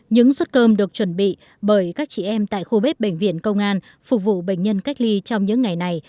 những suất cơm được chuẩn bị bởi các chị em tại khu bếp bệnh viện công an phục vụ bệnh nhân cách ly trong những ngày này